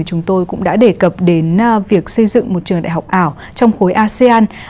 chúng tôi cũng đã đề cập đến việc xây dựng một trường đại học ảo trong khối asean